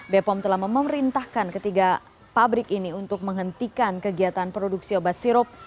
bepom telah memerintahkan ketiga pabrik ini untuk menghentikan kegiatan produksi obat sirup